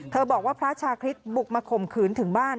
บอกว่าพระชาคริสต์บุกมาข่มขืนถึงบ้าน